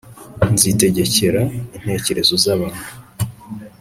Nzitegekera intekerezo zabantu